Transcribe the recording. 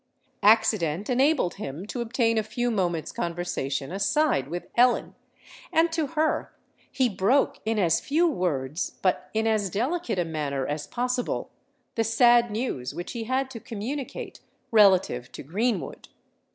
Accident enabled him to obtain a few moments' conversation aside with Ellen; and to her he broke in as few words but in as delicate a manner as possible, the sad news which he had to communicate relative to Greenwood.